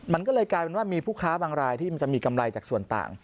มันก็เลยกลายเป็นว่ามีผู้ค้าบางรายที่มันจะมีกำไรจากส่วนต่าง